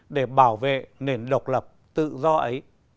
để bảo vệ nền độc lập tự do ấy